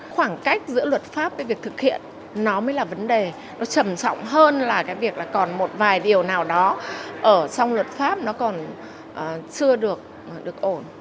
khoảng cách giữa luật pháp với việc thực hiện nó mới là vấn đề nó trầm trọng hơn là cái việc là còn một vài điều nào đó ở trong luật pháp nó còn chưa được ổn